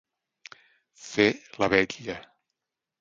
Fer la vetlla.